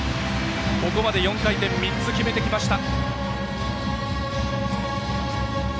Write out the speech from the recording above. ここまで４回転３つ決めてきました。